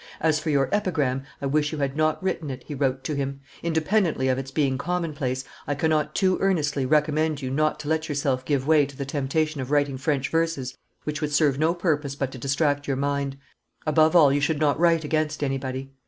"As for your epigram, I wish you had not written it," he wrote to him; "independently of its being commonplace, I cannot too earnestly recommend you not to let yourself give way to the temptation of writing French verses which would serve no purpose but to distract your mind; above all, you should not write against anybody."